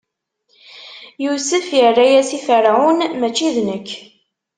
Yusef irra-yas i Ferɛun: Mačči d nekk!